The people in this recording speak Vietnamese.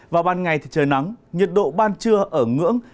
vào ban ngày thì trời nắng nhiệt độ ban trưa ở ngưỡng